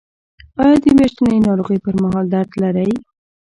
ایا د میاشتنۍ ناروغۍ پر مهال درد لرئ؟